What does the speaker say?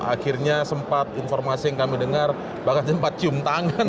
akhirnya sempat informasi yang kami dengar bahkan sempat cium tangan